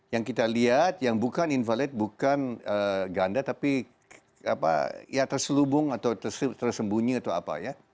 yang kita lihat yang bukan invalid bukan ganda tapi ya terselubung atau tersembunyi atau apa ya